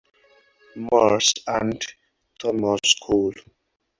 Morse, and Thomas Cole.